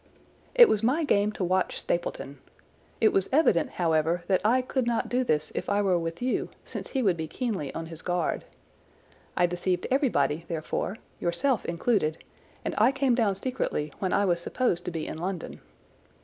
"It was my game to watch Stapleton. It was evident, however, that I could not do this if I were with you, since he would be keenly on his guard. I deceived everybody, therefore, yourself included, and I came down secretly when I was supposed to be in London.